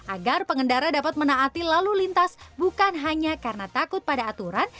agar pengendara dapat menaati lalu lintas bukan hanya karena takut pada aturan